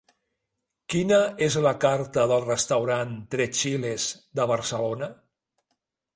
Quina és la carta del restaurant Tres Chiles de Barcelona?